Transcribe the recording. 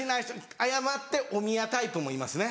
謝っておみやタイプもいますね。